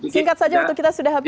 singkat saja waktu kita sudah habis